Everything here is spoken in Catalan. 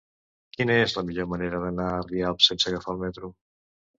Quina és la millor manera d'anar a Rialp sense agafar el metro?